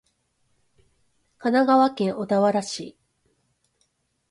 神奈川県小田原市